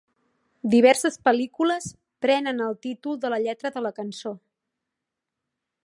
Diverses pel·lícules prenen el títol de la lletra de la cançó.